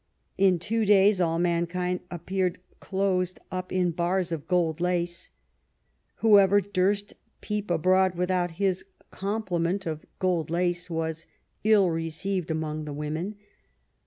In two days all mankind appeared closed up in bars of gold lace. Whoever durst peep abroad without his complement of gold lace," was " ill received among the women.